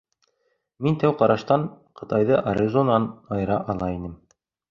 Мин тәү ҡараштан Ҡытайҙы Аризонан айыра ала инем.